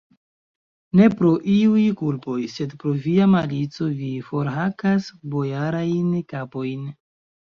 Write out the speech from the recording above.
Ne pro iuj kulpoj, sed pro via malico vi forhakas bojarajn kapojn!